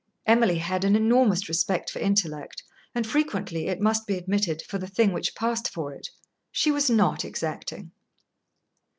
Emily had an enormous respect for intellect, and frequently, it must be admitted, for the thing which passed for it. She was not exacting.